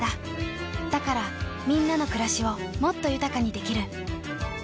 だからみんなの暮らしをもっと豊かにできる。